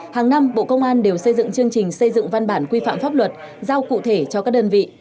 hàng năm bộ công an đều xây dựng chương trình xây dựng văn bản quy phạm pháp luật giao cụ thể cho các đơn vị